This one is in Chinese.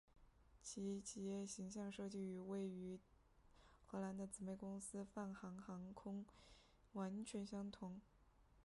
其企业形象设计与位于荷兰的姊妹公司泛航航空完全相同。